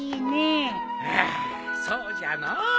ああそうじゃのう。